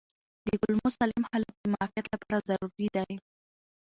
د کولمو سالم حالت د معافیت لپاره ضروري دی.